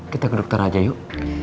kita ke dokter aja yuk